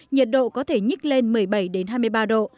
nhiệt độ có thể nhích lên một mươi bảy hai mươi ba độ